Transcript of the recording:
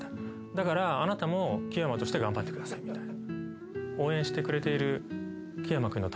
「だからあなたも木山として頑張ってください」みたいな。